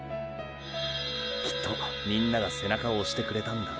きっとみんなが背中押してくれたんだな。